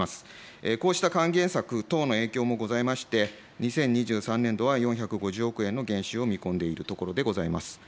こうした還元策等の影響もございまして、２０２３年度は４５０億円の減収を見込んでいるところでございます。